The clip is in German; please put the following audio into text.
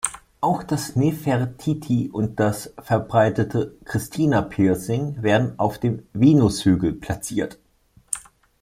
Auch das Nefertiti- und das verbreitete Christina-Piercing werden auf dem Venushügel platziert.